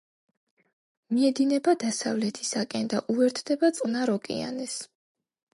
მიედინება დასავლეთისაკენ და უერთდება წყნარ ოკეანეს.